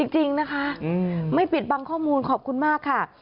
จริงนะคะไม่ปิดบังข้อมูลขอบคุณมากค่ะ